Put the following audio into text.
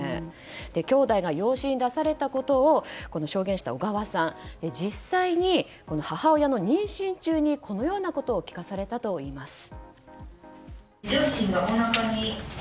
きょうだいが養子に出されたことを証言した小川さんは実際に母親の妊娠中にこのようなことを聞かされたといいます。